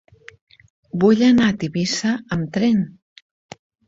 Vull anar a Tivissa amb tren.